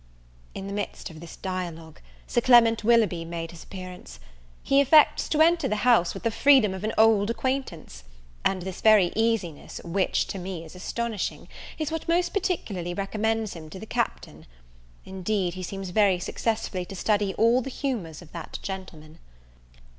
In the midst of this dialogue, Sir Clement Willoughby made his appearance. He affects to enter the house with the freedom of an old acquaintance; and this very easiness, which, to me, is astonishing, is what most particularly recommends him to the Captain. Indeed, he seems very successfully to study all the humours of that gentleman.